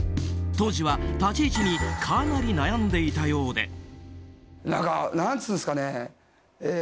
当時は立ち位置にかなり悩んでいたようで。